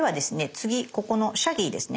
次ここのシャギーですね。